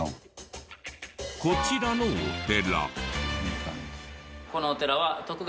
こちらのお寺。